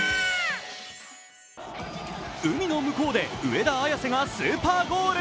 海の向こうで上田綺世がスーパーゴール。